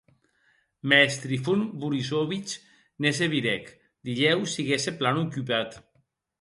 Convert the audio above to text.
Mès Trifon Borisovich ne se virèc, dilhèu siguesse plan ocupat.